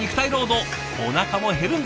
おなかも減るんだそう。